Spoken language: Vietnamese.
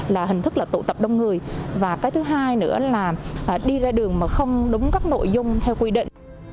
dịch vụ tập đông người và cái thứ hai nữa là đi ra đường mà không đúng các nội dung theo quy định